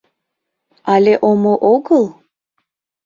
Але омо огыл?